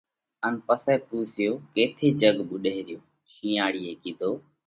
ان پسئہ پُونسيو: ڪيٿئہ جڳ ٻُوڏئه ريو؟ شِينئاۯِيئہ ڪِيڌو: